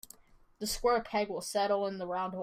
The square peg will settle in the round hole.